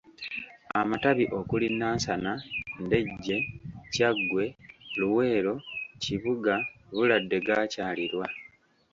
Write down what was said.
Amatabi okuli Nansana, Ndejje, Kyaggwe, Luweero, Kibuga, Buladde gaakyalirwa.